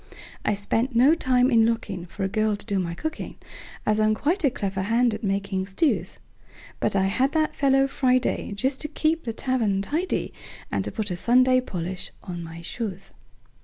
I spent no time in lookingFor a girl to do my cooking, As I'm quite a clever hand at making stews; But I had that fellow Friday, Just to keep the tavern tidy, And to put a Sunday polish on my shoes.